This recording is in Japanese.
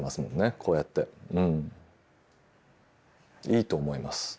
いいと思います。